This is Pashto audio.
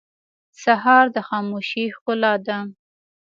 سهار د خاموشۍ ښکلا ده.